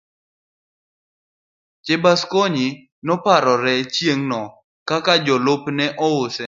Chebaskwony noparore chieng' no kaka jalupne ouse.